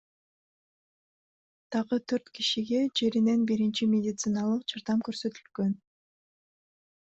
Дагы төрт кишиге жеринен биринчи медициналык жардам көрсөтүлгөн.